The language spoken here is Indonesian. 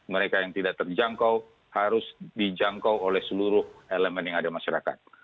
mereka yang tidak terjangkau harus dijangkau oleh seluruh elemen yang ada masyarakat